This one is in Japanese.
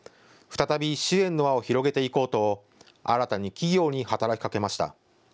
再び支援の輪を広げていこうと新たに企業に働きかけました。